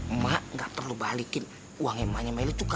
emak gak perlu ngebatalin surat tanah emak yang di kemang itu tuh emak